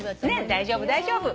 大丈夫大丈夫。